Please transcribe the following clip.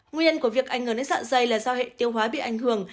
nguyên nhân của việc ảnh hưởng đến dạ dày là do hệ tiêu hóa bị ảnh hưởng